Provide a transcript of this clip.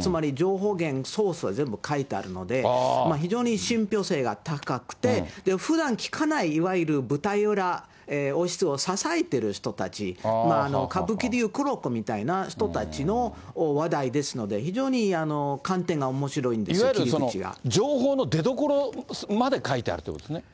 つまり情報源、ソースは全部書いてあるので、非常に信ぴょう性が高くて、ふだん聞かない、いわゆる舞台裏、王室を支えてる人たち、歌舞伎でいう黒子みたいな人たちの話題ですので、非常に観点がおいわゆるその、情報の出どころまで書いてあるということですね。